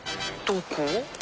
どこ？